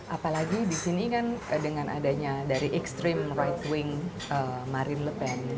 apalagi disini kan dengan adanya dari ekstrim right wing marine le pen